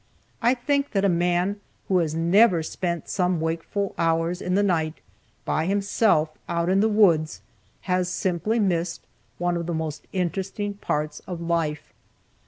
I think that a man who has never spent some wakeful hours in the night, by himself, out in the woods, has simply missed one of the most interesting parts of life.